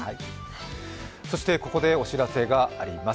そしてここでお知らせがあります。